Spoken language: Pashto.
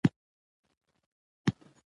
د پيازو د کښت ګټه تصادفي ده .